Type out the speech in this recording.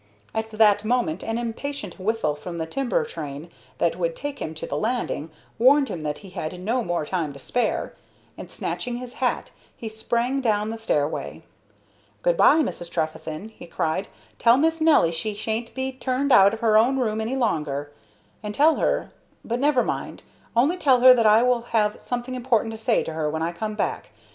At that moment an impatient whistle from the timber train that would take him to the landing warned him that he had no more time to spare, and, snatching his hat, he sprang down the stairway. "Good bye, Mrs. Trefethen!" he cried. "Tell Miss Nelly she sha'n't be turned out of her own room any longer, and tell her But never mind; only tell her that I will have something important to say to her when I come back.